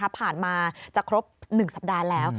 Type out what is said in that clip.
ผ่านมาจะครบ๑สัปดาห์แล้ว